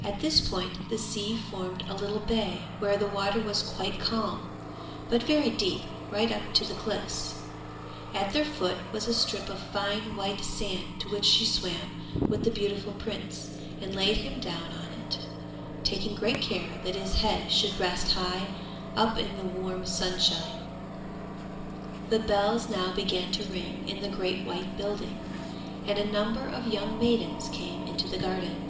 At this point the sea formed a little bay where the water was quite calm, but very deep, right up to the cliffs; at their foot was a strip of fine white sand to which she swam with the beautiful prince, and laid him down on it, taking great care that his head should rest high up in the warm sunshine. The bells now began to ring in the great white building, and a number of young maidens came into the garden.